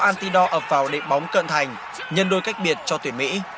antidor ập vào định bóng cận thành nhân đôi cách biệt cho tuyển mỹ